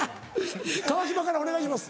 川島からお願いします。